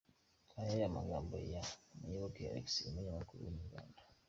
Nyuma y’aya magambo ya Muyoboke Alex umunyamakuru wa Inyarwanda.